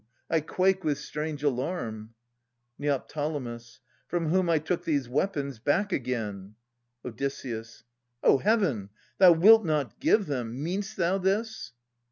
I quake with strange alarm. Neo. From whom I took these weapons, back again Od. O Heaven ! thou wilt not give them ! Mean'st thou this